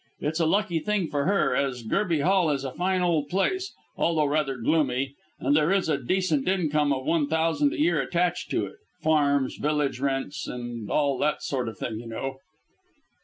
It's a lucky thing for her, as Gerby Hall is a fine old place, although rather gloomy, and there is a decent income of one thousand a year attached to it, farms, village rents, and all that sort of thing, you know."